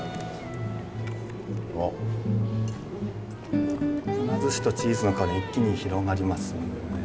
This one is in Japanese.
ふなずしとチーズの香りが一気に広がりますよね。